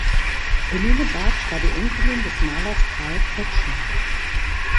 Helene Bartsch war die Enkelin des Malers Carl Kretschmar.